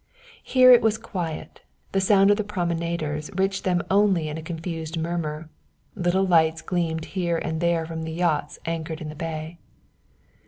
Here it was quiet, the sound of the promenaders reaching them only in a confused murmur. Little lights gleamed here and there from the yachts anchored in the bay.